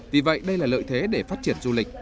vì vậy đây là lợi thế để phát triển du lịch